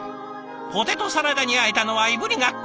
ポテトサラダにあえたのはいぶりがっこ。